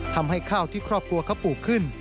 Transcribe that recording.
ทำให้ข้าวที่ครอบครัวเขาปลูกขึ้น